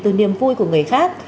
từ niềm vui của người khác